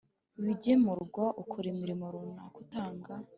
Ibigemurwa ukora imirimo runaka utanga